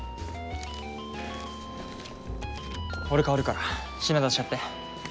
俺代わるから品出しやって。